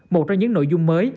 một trong những nội dung mới